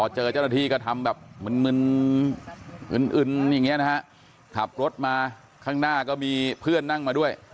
เจอเจ้าหน้าที่ก็ทำแบบมึนขับรถมาข้างหน้าก็มีเพื่อนนั่งมาด้วย